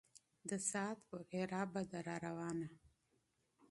د ساعت پر عرابه ده را روانه